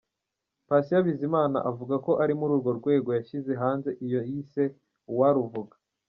Patient Bizimana avuga ko ari muri urwo rwego yashyize hanze iyo yise "Uwaruvuga".